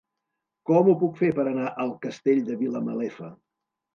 Com ho puc fer per anar al Castell de Vilamalefa?